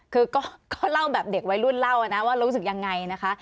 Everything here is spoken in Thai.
คือก็เล่าแบบเด็กวัยรุ่นเล่านะว่ารู้สึกยังไงนะคะ